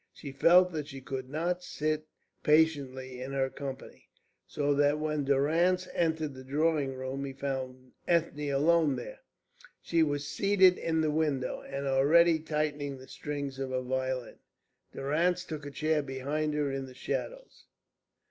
She felt that she could not sit patiently in her company. So that when Durrance entered the drawing room he found Ethne alone there. She was seated in the window, and already tightening the strings of her violin. Durrance took a chair behind her in the shadows.